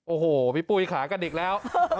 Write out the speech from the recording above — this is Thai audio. โอ้โหพี่ปุ๋ยขากันอีกแล้ว